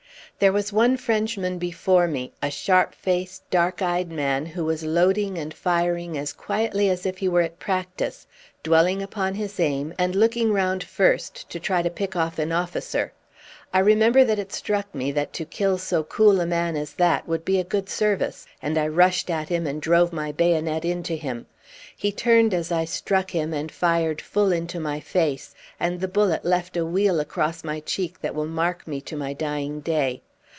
There was one Frenchman before me, a sharp faced, dark eyed man, who was loading and firing as quietly as if he were at practice, dwelling upon his aim, and looking round first to try and pick off an officer. I remember that it struck me that to kill so cool a man as that would be a good service, and I rushed at him and drove my bayonet into him. He turned as I struck him and fired full into my face, and the bullet left a weal across my cheek which will mark me to my dying day.